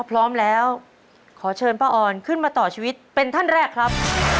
พร้อมแล้วขอเชิญป้าออนขึ้นมาต่อชีวิตเป็นท่านแรกครับ